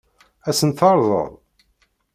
Ad sen-tt-teɛṛeḍ?